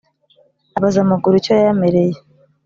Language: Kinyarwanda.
Abaza amaguru icyo yayamereye